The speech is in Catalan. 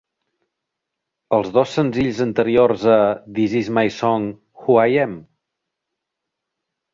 Els dos senzills anteriors a "This is my song", "Who I am?"